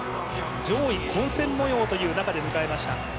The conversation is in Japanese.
上位混戦もようという中で迎えました。